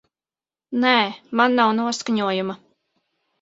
Nē, man nav noskaņojuma.